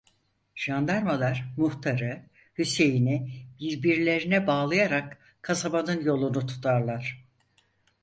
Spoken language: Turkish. Jandarmalar muhtarı, Hüseyin'i birbirlerine bağlayarak kasabanın yolunu tutarlar.